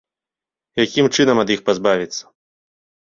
Якім чынам ад іх пазбавіцца?